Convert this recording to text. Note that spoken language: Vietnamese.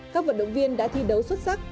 các vận động viên đã thi đấu xuất sắc